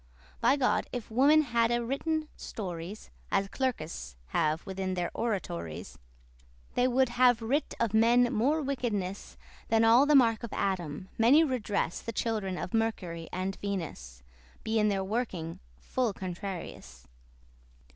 By God, if women haddde written stories, As clerkes have within their oratories, They would have writ of men more wickedness Than all the mark of Adam <30> may redress The children of Mercury and of Venus,<31> Be in their working full contrarious.